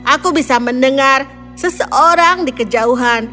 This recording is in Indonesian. aku bisa mendengar seseorang di kejauhan